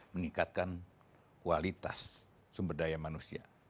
meningkatkan kualitas sumber daya manusia